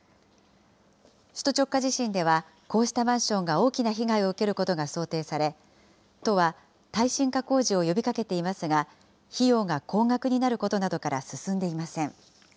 首都直下地震では、こうしたマンションが大きな被害を受けることが想定され、都は耐震化工事を呼びかけていますが、費用が高額になることなどから進んでいません。